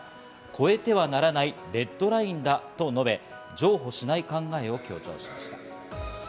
超えてはならないレッドラインだと述べ、譲歩しない考えを強調しました。